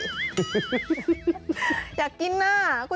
อยากกินนะ